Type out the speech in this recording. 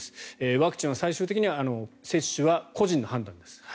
ワクチンは最終的に接種は個人の判断です。